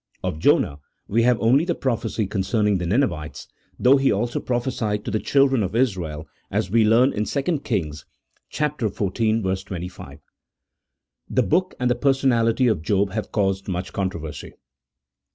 Of Jonah we have only the prophecy concerning the Mnevites, though he also prophesied to the children of Israel, as we learn in 2 Kings xiv. 25. The book and the personality of Job have caused much controversy.